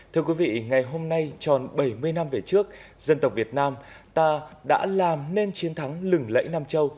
thưa quý vị ngày hôm nay tròn bảy mươi năm về trước dân tộc việt nam ta đã làm nên chiến thắng lừng lẫy nam châu